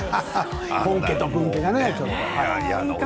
本家と分家がね。